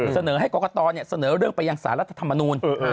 เสนอให้กรกตเสนอเรื่องไปยังสารรัฐธรรมนูล